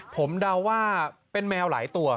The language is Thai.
ผมเดาว่าเป็นแมวหลายตัว